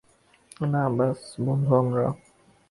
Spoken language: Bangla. না, ব্যস বন্ধু আমরা।